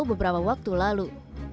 beberapa waktu lalu